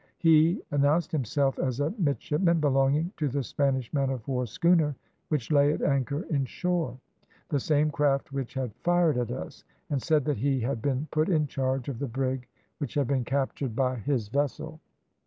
He announced himself as a midshipman belonging to the Spanish man of war schooner which lay at anchor in shore, the same craft which had fired at us, and said that he had been put in charge of the brig, which had been captured by his vessel.